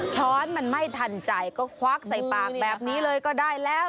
ช้อนมันไม่ทันใจก็ควักใส่ปากแบบนี้เลยก็ได้แล้ว